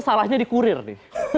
salahnya dikurir nih